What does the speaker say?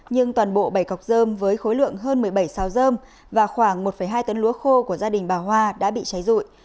nhưng toàn bộ bảy cọc dơm với khối lượng hơn một mươi bảy xào dơm và khoảng một hai tấn lúa khô của gia đình bà hoa đã bị cháy rụi